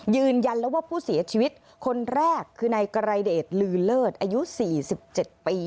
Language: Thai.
ยืนยันแล้วว่าผู้เสียชีวิตคนแรกคือนายไกรเดชลือเลิศอายุ๔๗ปี